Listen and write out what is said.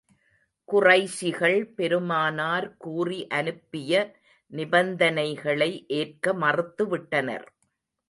குறைஷிகள், பெருமானார் கூறி அனுப்பிய நிபந்தனைகளை ஏற்க மறுத்து விட்டனர்.